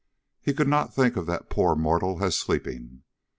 He could not think of that poor mortal as sleeping.